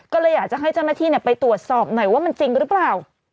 ก็เลยอยากจะให้เจ้าหน้าที่ไปตรวจสอบหน่อยว่ามันจริงหรือเปล่า